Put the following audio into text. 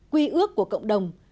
quy ước của cộng đồng